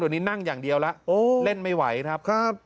เดี๋ยวนี้นั่งอย่างเดียวแล้วเล่นไม่ไหวครับ